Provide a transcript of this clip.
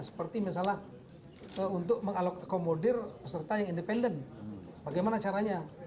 seperti misalnya untuk mengalokamudir peserta yang independen bagaimana caranya